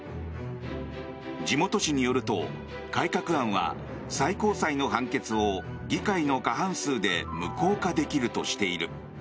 地元紙によると、改革案は最高裁の判決を議会の過半数で無効化できるとしている。